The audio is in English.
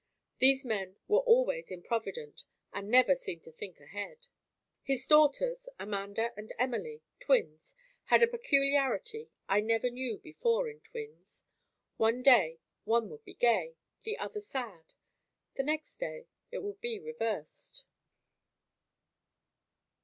These men were always improvident and never seemed to think ahead. His daughters, Amanda and Emily, twins, had a peculiarity I never knew before in twins. One day, one would be gay, the other sad. The next day, it would be reversed.